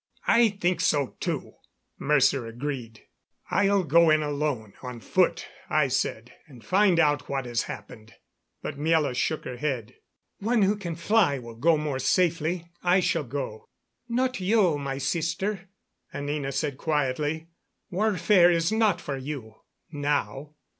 "I think so, too," Mercer agreed. "I'll go in alone on foot," I said, "and find out what has happened." But Miela shook her head. "One who can fly will go more safely. I shall go." "Not you, my sister," Anina said quietly. "Warfare is not for you now.